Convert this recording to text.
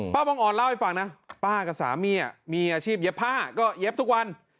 บังออนเล่าให้ฟังนะป้ากับสามีมีอาชีพเย็บผ้าก็เย็บทุกวัน